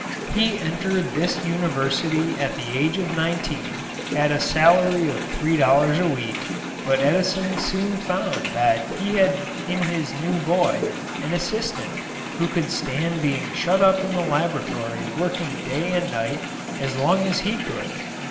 He entered this university at the age of nineteen at a salary of $3 a week, but Edison soon found that he had in his new boy an assistant who could stand being shut up in the laboratory working day and night as long as he could.